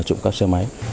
trộm các xe máy